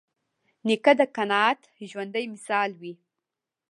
نیکه د قناعت ژوندي مثال وي.